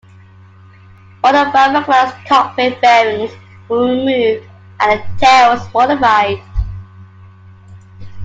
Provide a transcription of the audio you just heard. All the fibreglass cockpit fairings were removed and the tail was modified.